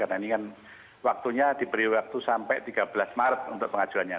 meningan waktunya diberi waktu sampai tiga belas maret untuk pengajuannya